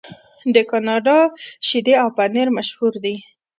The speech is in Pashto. د کاناډا شیدې او پنیر مشهور دي.